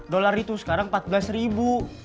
dolar itu sekarang rp empat belas